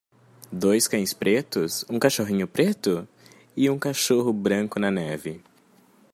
Dois cães pretos? um cachorrinho preto? e um cachorro branco na neve.